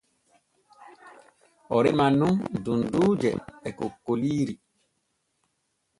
O reman nun dunduuje e kokkoliiri.